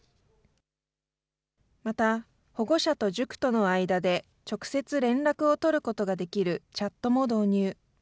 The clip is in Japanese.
また、保護者と塾との間で直接連絡を取ることができるチャットも導入。